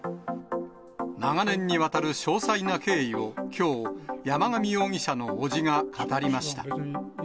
長年にわたる詳細な経緯をきょう、山上容疑者の伯父が語りました。